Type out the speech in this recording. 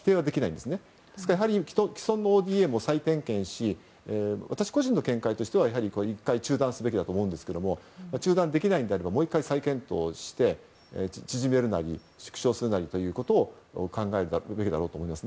ですから既存のＯＤＡも再点検し私個人の見解としては１回中断すべきだと思いますが中断できないのであればもう１回再検討して縮めるなり縮小するなりということを考えるべきだと思います。